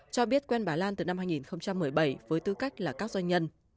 cho biết quen bà lan từ năm hai nghìn một mươi bảy với tư cách là các doanh nhân